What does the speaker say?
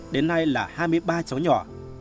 đến nay là hai mươi ba cháu nhỏ